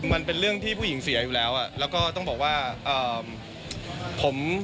มันเป็นเรื่องที่ผู้หญิงเสียอยู่แล้วอ่ะแล้วก็ต้องบอกว่าเอ่อผม